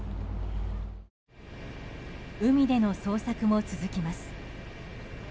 海での捜索も続きます。